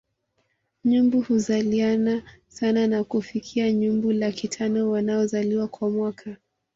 Nyumbu huzaliana sana na kufikia nyumbu laki tano wanaozaliwa kwa mwaka